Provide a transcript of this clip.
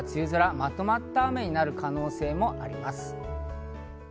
まとまった雨になる可能性もあります。